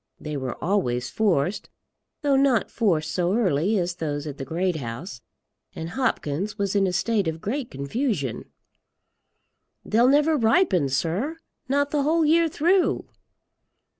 They were always forced, though not forced so early as those at the Great House, and Hopkins was in a state of great confusion. "They'll never ripen, sir; not the whole year through."